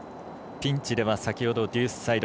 ピンチでは先ほどデュースサイド。